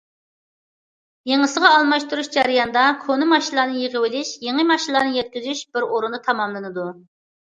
يېڭىسىغا ئالماشتۇرۇش جەريانىدا كونا ماشىنىلارنى يىغىۋېلىش، يېڭى ماشىنىلارنى يەتكۈزۈش بىر ئورۇندا تاماملىنىدۇ.